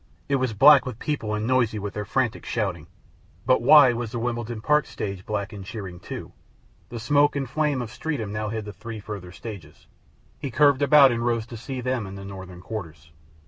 It was black with people and noisy with their frantic shouting. But why was the Wimbledon Park stage black and cheering, too? The smoke and flame of Streatham now hid the three further stages. He curved about and rose to see them and the northern quarters.